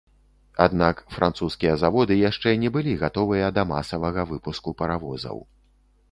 Аднак французскія заводы яшчэ не былі гатовыя да масавага выпуску паравозаў.